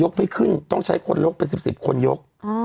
ไม่ขึ้นต้องใช้คนยกเป็น๑๐คนยก